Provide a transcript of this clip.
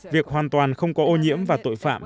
việc hoàn toàn không có ô nhiễm và tội phạm